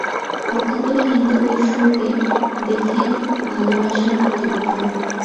পক্ষান্তরে হিন্দু ঈশ্বরকে দেখেন ভালবাসার পাত্ররূপে।